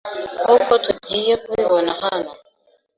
nkuko tugiye kubibona hano